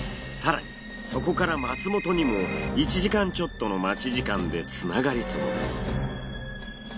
更にそこから松本にも１時間ちょっとの待ち時間でつながりそうです。